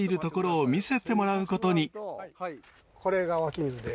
これが湧き水で。